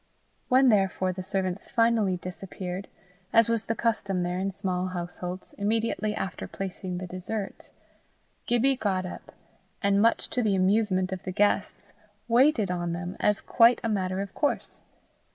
When therefore the servants finally disappeared, as was the custom there in small households, immediately after placing the dessert, Gibbie got up, and, much to the amusement of the guests, waited on them as quite a matter of course.